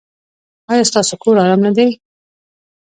ایا ستاسو کور ارام نه دی؟